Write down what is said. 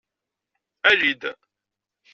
Ali-d!